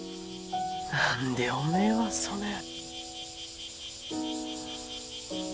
何でおめえはそねん。